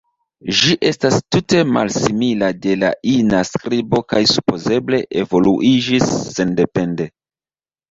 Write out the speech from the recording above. Ĝi estas tute malsimila de la ina skribo kaj supozeble evoluiĝis sendepende.